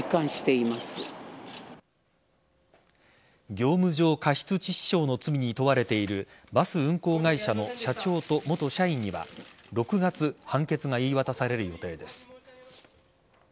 業務上過失致死傷の罪に問われているバス運行会社の社長と元社員には６月判決が言い渡される予定です。